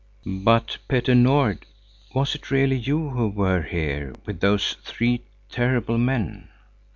"But, Petter Nord, was it really you who were here with those three terrible men?"